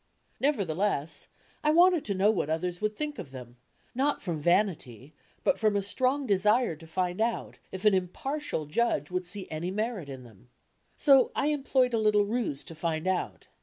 Nevertheless, I wanted to know what others would think of them, not from vanity, but from a strong desire to find out If an impardai judge would see any merit in dtem. So I employed a little ruse to find out.